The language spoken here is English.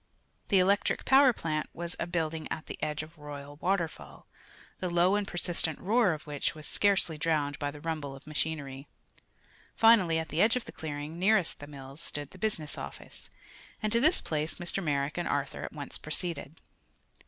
The electric power plant was a building at the edge of Royal Waterfall, the low and persistent roar of which was scarcely drowned by the rumble of machinery. Finally, at the edge of the clearing nearest the mills, stood the business office, and to this place Mr. Merrick and Arthur at once proceeded.